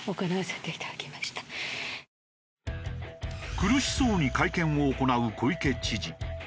苦しそうに会見を行う小池知事。